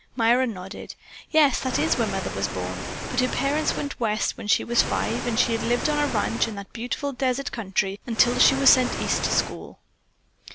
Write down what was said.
Myra nodded. "Yes, that is where Mother was born, but her parents went West when she was five, and she lived on a ranch in that beautiful desert country until she was sent East to school."